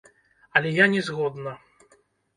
Але я не згодна.